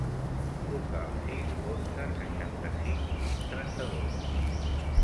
Truca al sis, onze, seixanta-cinc, vint, trenta-dos.